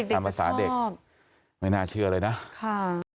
ตามภาษาเด็กไม่น่าเชื่อเลยนะค่ะ